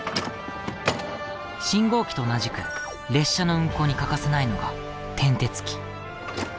信号機と同じく列車の運行に欠かせないのが転てつ機。